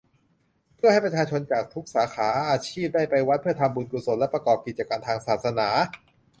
เพื่อให้ประชาชนจากทุกสาขาอาชีพได้ไปวัด เพื่อทำบุญกุศลและประกอบกิจกรรมทางศาสนา